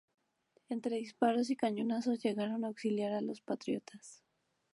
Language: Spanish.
Entre disparos y cañonazos llegaron a auxiliar a los patriotas.